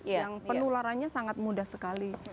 yang penularannya sangat mudah sekali